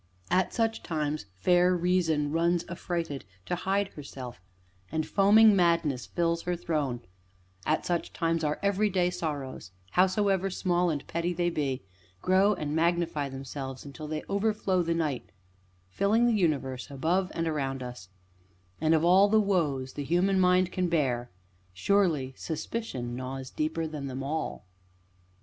At such times fair Reason runs affrighted to hide herself, and foaming Madness fills her throne; at such times our everyday sorrows, howsoever small and petty they be, grow and magnify themselves until they overflow the night, filling the universe above and around us; and of all the woes the human mind can bear surely Suspicion gnaws deeper than them all!